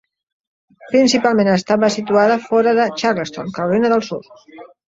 Principalment estava situada fora de Charleston (Carolina del Sud).